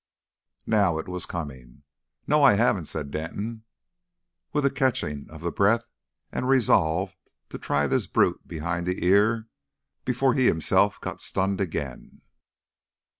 Now it was coming. "No, I haven't," said Denton, with a catching of the breath, and resolved to try this brute behind the ear before he himself got stunned again.